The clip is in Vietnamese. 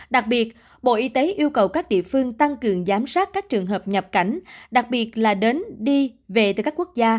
đặc biệt bộ y tế yêu cầu các địa phương tăng cường giám sát các trường hợp nhập cảnh đặc biệt là đến đi về từ các quốc gia